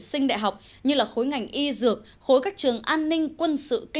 xin chào và hẹn gặp lại